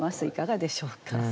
いかがでしょうか？